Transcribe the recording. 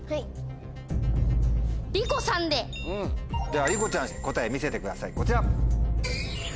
ではりこちゃん答え見せてくださいこちら。